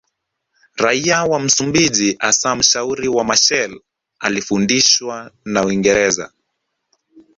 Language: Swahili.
Raia wa Msumbiji hasa mshauri wa Machel alifundishwa na Uingereza